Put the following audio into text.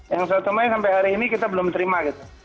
yang satu mei sampai hari ini kita belum terima gitu